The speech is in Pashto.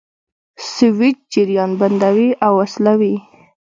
سویچ جریان بندوي او وصلوي.